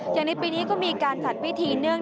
อย่างในปีนี้ก็มีการจัดพิธีเนื่อง